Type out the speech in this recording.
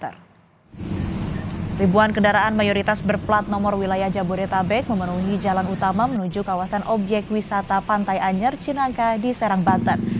ribuan kendaraan mayoritas berplat nomor wilayah jabodetabek memenuhi jalan utama menuju kawasan objek wisata pantai anyer cinangka di serang banten